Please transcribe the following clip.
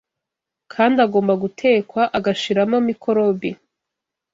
kandi agomba gutekwa agashiramo mikorobi